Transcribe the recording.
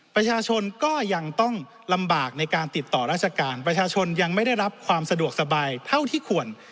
ประชาชนก็ยังต้องลำบากในการติดต่อราชการประชาชนยังไม่ได้รับความสะดวกสบายเท่าที่ควร